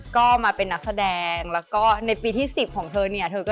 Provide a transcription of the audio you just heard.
ขออฮอททักก่อนนะคะ